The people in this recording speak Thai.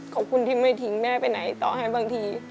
ขอบคุณที่ไม่ทิ้งแม่ไปไหนต่อให้บางที